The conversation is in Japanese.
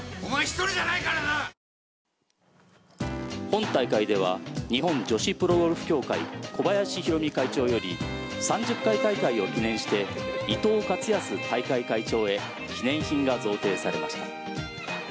本大会では日本女子プロゴルフ協会小林浩美会長より３０回大会を記念して伊藤勝康大会会長へ記念品が贈呈されました。